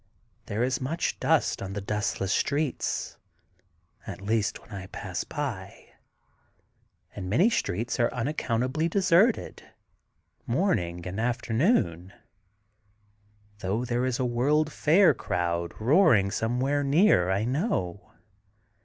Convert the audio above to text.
There is mudi dust on the dustless streets, at least when I pass by. And many streets are unac countably deserted, morning and afternoon, though tiiere is a World's Fair crowd roar ing somewhere near, I know.